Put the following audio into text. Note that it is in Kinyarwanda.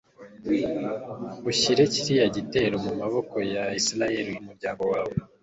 ushyire kiriya gitero mu maboko ya israheli, umuryango wawe